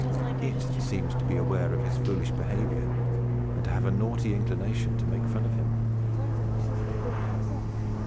It seemed to be aware of his foolish behavior, and to have a naughty inclination to make fun of him.